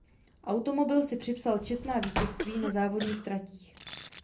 Automobil si připsal četná vítězství na závodních tratích.